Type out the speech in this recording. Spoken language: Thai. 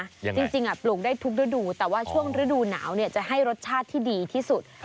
จริงปลูกได้ทุกฤดูแต่ว่าช่วงฤดูหนาวเนี่ยจะให้รสชาติที่ดีที่สุด